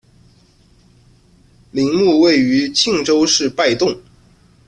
陵墓位于庆州市拜洞。